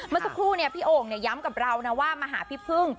เมื่อสักครู่พี่โอ่งย้ำกับเรานะว่ามาหาพี่พึ่ง